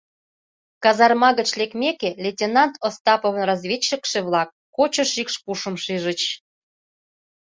Казарма гыч лекмеке, лейтенант Остаповын разведчикше-влак кочо шикш пушым шижыч.